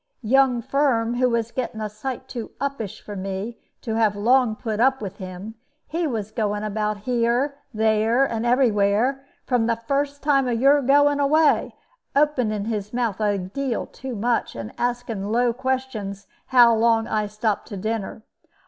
Young Firm, who was getting a sight too uppish for me to have long put up with him, he was going about here, there, and every where, from the very first time of your going away, opening his mouth a deal too much, and asking low questions how long I stopped to dinner.